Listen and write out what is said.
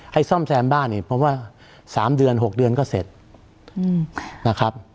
ซ่อมแซมบ้านอีกเพราะว่า๓เดือน๖เดือนก็เสร็จนะครับ